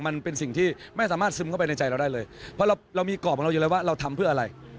มันเป็นสิ่งที่ไม่สามารถซึมเข้าไปในใจเราได้เลยเพราะเรามีกรอบของเราอยู่แล้วว่าเราทำเพื่ออะไร